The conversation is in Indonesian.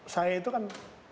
saya itu kan